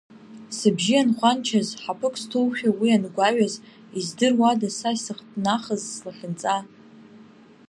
Сыбжьы анхәанчаз, ҳаԥык сҭоушәа уи ангәаҩаз, издыруада са исыхҭнахыз слахьынҵа?